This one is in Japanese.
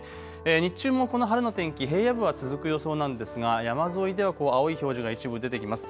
日中もこの晴れの天気、平野部は続く予想なんですが山沿いでは青い表示が一部出てきます。